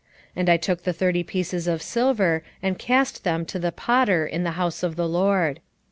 And I took the thirty pieces of silver, and cast them to the potter in the house of the LORD.